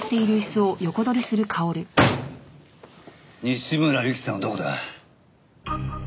西村由季さんはどこだ？